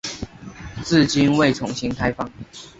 至今未重新开放。